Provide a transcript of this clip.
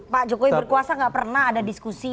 pak jokowi berkuasa gak pernah ada diskusi